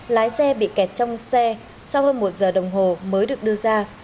lái xe bị kẹt trong xe sau hơn một giờ đồng hồ mới được đưa ra